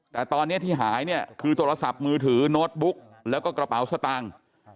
แต่ตอนนี้ที่หายเนี่ยคือโทรศัพท์มือถือโน้ตบุ๊กแล้วก็กระเป๋าสตางค์